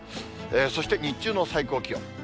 そして日中の最高気温。